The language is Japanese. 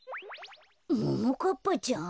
ももかっぱちゃん？